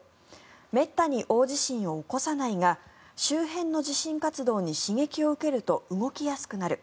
めったに大地震を起こさないが周辺の地震活動に刺激を受けると動きやすくなる。